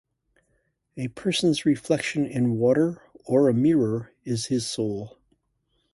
A person’s reflection in water or a mirror is his soul.